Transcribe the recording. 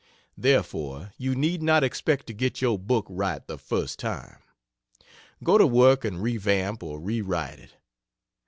Therefore you need not expect to get your book right the first time. Go to work and revamp or rewrite it.